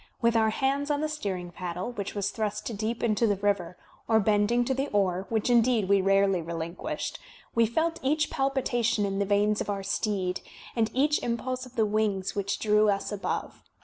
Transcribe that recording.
With our hands on the steering paddle, which was thrust deep into the river, or bending to the oar, which indeed we rarely relinquished, we felt each palpitation in the veins of our steed, and each impulse of the wings which drew us above.